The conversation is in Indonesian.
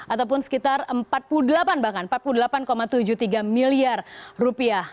ataupun sekitar empat puluh delapan bahkan empat puluh delapan tujuh puluh tiga miliar rupiah